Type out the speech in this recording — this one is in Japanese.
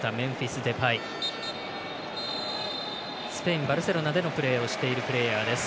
スペイン・バルセロナでプレーをしているプレーヤーです。